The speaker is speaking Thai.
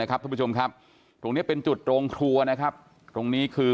ท่านผู้ชมครับตรงนี้เป็นจุดโรงครัวนะครับตรงนี้คือ